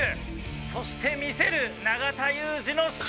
そして見せる永田裕志の白目！